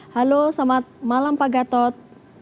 halo selamat malam pak gatot